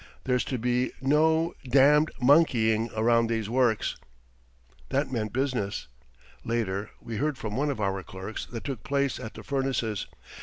There's to be no d d monkeying round these works.'" That meant business. Later we heard from one of our clerks what took place at the furnaces.